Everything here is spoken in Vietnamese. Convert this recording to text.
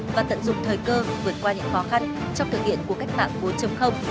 và tận dụng thời cơ vượt qua những khó khăn trong thực hiện của cách mạng bốn